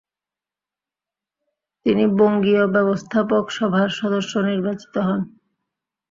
তিনি বঙ্গীয় ব্যবস্থাপক সভার সদস্য নির্বাচিত হন।